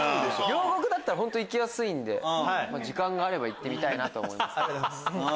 両国だったら行きやすいんで時間があれば行ってみたいです。